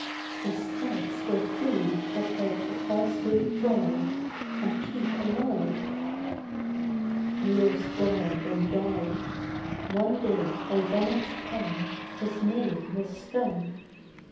His thoughts were food that helped a falsehood thrive, And keep alive. Years dawned and died. One day by venom's tongue His name was stung.